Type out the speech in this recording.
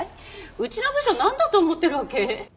うちの部署をなんだと思ってるわけ？